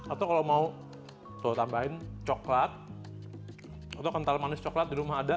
atau kalau mau tambahin coklat atau kental manis coklat di rumah ada